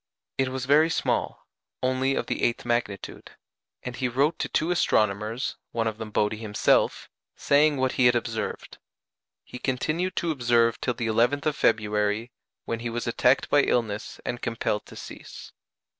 It was very small, only of the eighth magnitude; and he wrote to two astronomers (one of them Bode himself) saying what he had observed. He continued to observe till the 11th of February, when he was attacked by illness and compelled to cease.